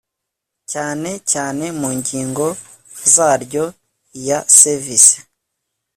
cyane cyane mu ngingo zaryo iya service